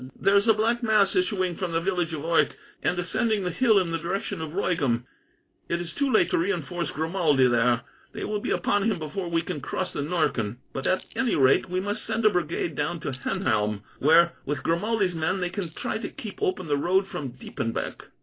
"There is a black mass issuing from the village of Oycke, and ascending the hill in the direction of Royegham. It is too late to reinforce Grimaldi there. They will be upon him before we can cross the Norken. But, at any rate, we must send a brigade down to Henhelm, where, with Grimaldi's men, they can try to keep open the road from Diepenbeck."